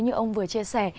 như ông vừa chia sẻ